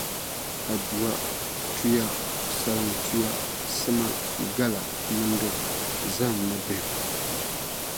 Adua, tuya, salaŋtuya, sima, gala, nimdi, zahim ni bihim.